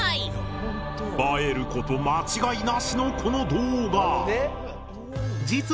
映えること間違いなしのこの動画。